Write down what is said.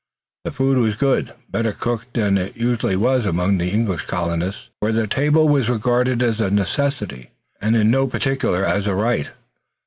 The food was good, better cooked than it usually was among the English colonists, where the table was regarded as a necessity, and in no particular as a rite.